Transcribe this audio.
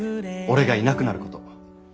俺がいなくなること。